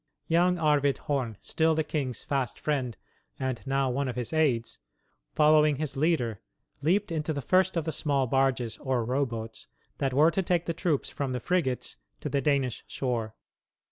Young Arvid Horn, still the king's fast friend, and now one of his aids, following his leader, leaped into the first of the small barges or row boats that were to take the troops from the frigates to the Danish shore.